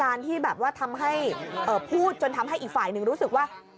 ที่แบบว่าทำให้พูดจนทำให้อีกฝ่ายหนึ่งรู้สึกว่า